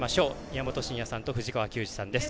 宮本慎也さんと藤川球児さんです。